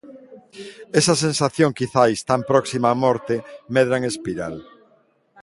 Esa sensación quizais tan próxima á morte medra en espiral.